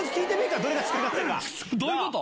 どういうこと？